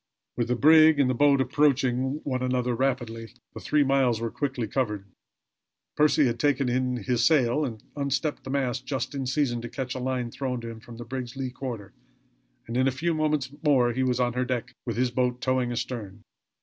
With the brig and the boat approaching one another rapidly, the three miles were quickly covered. Percy had taken in his sail, and unstepped his mast just in season to catch a line thrown to him from the brig's lee quarter; and in a few moments more he was on her deck, with his boat towing astern.